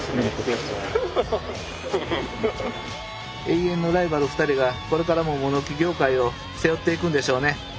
永遠のライバル２人がこれからも物置業界を背負っていくんでしょうね。